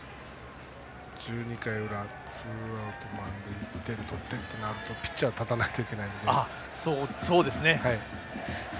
１２回裏、ツーアウト、満塁１点取ってってなるとピッチャーが立たないといけなくなるので。